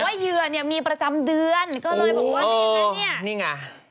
แต่ว่าเยือนมีประจำเดือนก็เลยบอกว่านี่ไง